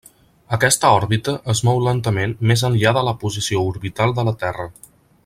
Aquesta òrbita es mou lentament més enllà de la posició orbital de la Terra.